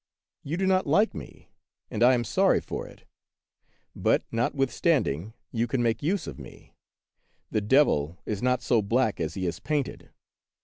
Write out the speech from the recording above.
You do not like me, and I am sorry for it; but, notwithstanding, you can make use of me. The devil is not so black as he is painted.